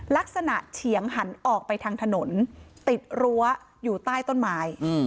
เฉียงหันออกไปทางถนนติดรั้วอยู่ใต้ต้นไม้